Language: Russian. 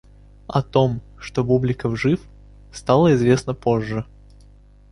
О том, что Бубликов жив, стало известно позже.